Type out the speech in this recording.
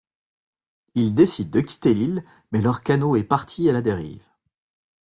Ils décident de quitter l’île, mais leur canot est parti à la dérive.